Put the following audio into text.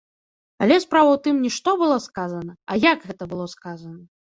Але справа ў тым, не што было сказана, а як гэта было сказана.